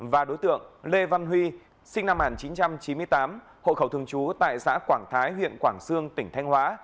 và đối tượng lê văn huy sinh năm một nghìn chín trăm chín mươi tám hộ khẩu thường trú tại xã quảng thái huyện quảng sương tỉnh thanh hóa